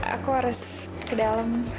aku harus ke dalam